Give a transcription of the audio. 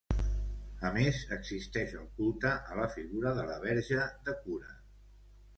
A més existeix el culte a la figura de la Verge de Cura.